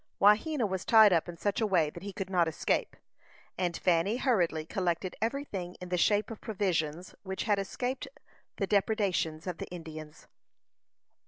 Wahena was tied up in such a way that he could not escape, and Fanny hurriedly collected everything in the shape of provisions which had escaped the depredations of the Indians.